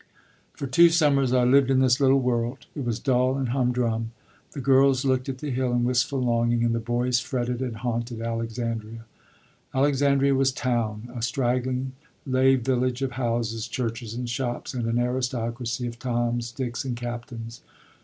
For two summers I lived in this little world; it was dull and humdrum. The girls looked at the hill in wistful longing, and the boys fretted and haunted Alexandria. Alexandria was "town," a straggling, lay village of houses, churches, and shops, and an aristocracy of Toms, Dicks, and Captains.